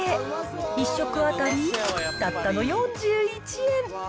１食当たりたったの４１円。